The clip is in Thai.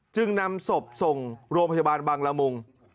จึงนำศพส่งโรงพยาบาลบังละมุง